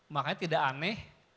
makanya tidak aneh